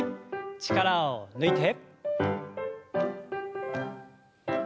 力を抜いて。